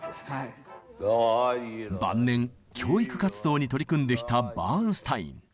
晩年教育活動に取り組んできたバーンスタイン。